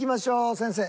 先生。